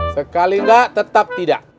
sekali enggak tetap tidak